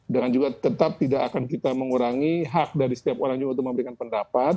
dan juga tetap tidak akan kita mengurangi hak dari setiap orang untuk memberikan pendapat